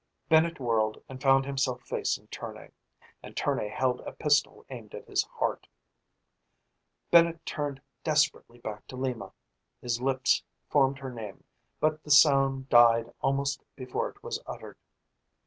Bennett whirled and found himself facing Tournay. And Tournay held a pistol aimed at his heart. Bennett turned desperately back to Lima. His lips formed her name, but the sound died almost before it was uttered.